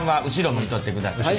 向いとってくださいね。